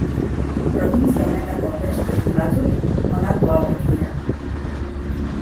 Probintzia honetako beste hiri batzuk, honako hauek dira.